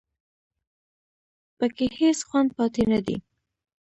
په کې هېڅ خوند پاتې نه دی